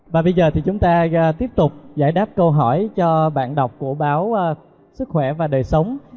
và bây giờ thì chúng ta tiếp tục giải đáp câu hỏi cho bạn đọc của báo sức khỏe và đời sống